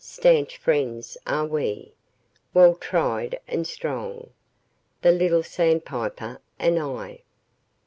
Stanch friends are we, well tried and strong, The little sandpiper and I.